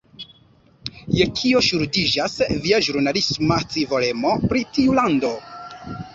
Je kio ŝuldiĝas via ĵurnalisma scivolemo pri tiu lando?